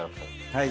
はい。